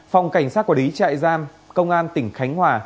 phòng cảnh sát quản lý trại giam công an tỉnh khánh hòa